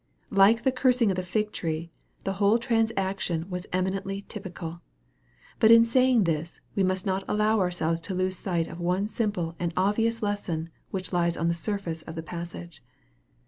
Like the cursing of the fig tree, the whole transaction was emi nently typical. But in saying this, we must not allow ourselves to lose sight of one simple and obvious lesson which lies on the surface of the passage.